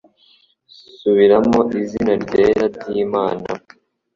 Subiramo Izina ryera ry'Imana